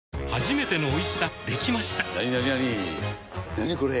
なにこれ！